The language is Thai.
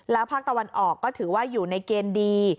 ภาคตะวันออกก็ถือว่าอยู่ในเกณฑ์ดี